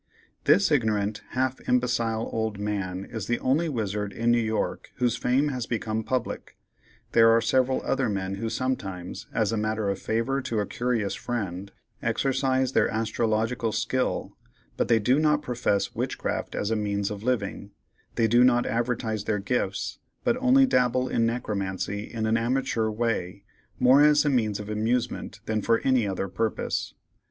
This ignorant, half imbecile old man is the only wizard in New York whose fame has become public. There are several other men who sometimes, as a matter of favor to a curious friend, exercise their astrological skill, but they do not profess witchcraft as a means of living; they do not advertise their gifts, but only dabble in necromancy in an amateur way, more as a means of amusement than for any other purpose.